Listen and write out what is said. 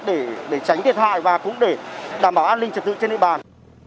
để tránh thiệt hại và cũng để đảm bảo an ninh trật tự trên địa bàn